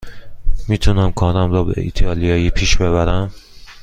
می تونم کارم را به ایتالیایی پیش ببرم.